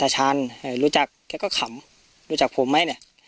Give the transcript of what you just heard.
แต่ฉันเอ่อรู้จักแกก็ขำรู้จักผมไหมเนี่ย